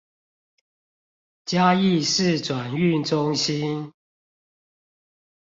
嘉義市轉運中心